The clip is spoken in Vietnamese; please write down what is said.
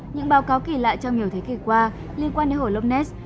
những báo cáo kỳ lạ trong nhiều thế kỷ qua liên quan đến hồ lop ness